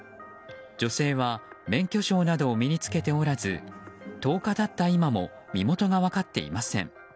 女性は免許証などを身に着けておらず１０日経った今も身元が分かっていません。